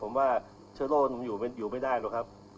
ผมว่าเชื้อโรคอยู่ไม่ได้หรอกครับ